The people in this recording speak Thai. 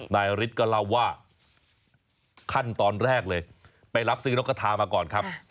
นายฤทธิ์ก็เล่าว่าขั้นตอนแรกเลยไปรับซื้อนกกระทามาก่อนครับ